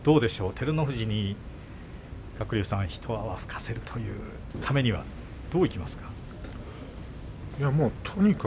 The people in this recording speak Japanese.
照ノ富士に、鶴竜さん一泡吹かせるためにはどういきますか。